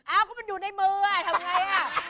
อ้าวก็มันอยู่ในมือทำไงอ่ะ